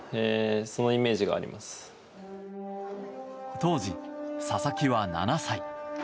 当時、佐々木は７歳。